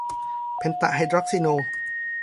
เพนตะไฮดรอกซิโน